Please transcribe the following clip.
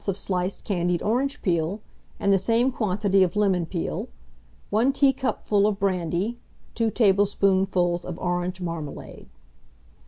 of sliced candied orange peel, and the same quantity of lemon peel, 1 teacupful of brandy, 2 tablespoonfuls of orange marmalade.